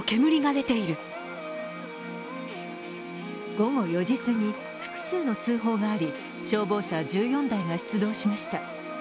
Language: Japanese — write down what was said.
午後４時過ぎ、複数の通報があり、消防車１４台が出動しました。